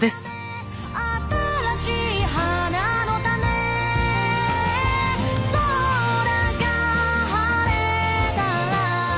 「新しい花の種」「空が晴れたら」